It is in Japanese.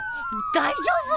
大丈夫？